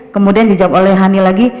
kemudian dijawab oleh hani lagi